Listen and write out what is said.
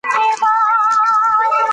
ستاسو د موقف ټینګول د هوښیارۍ اړتیا لري.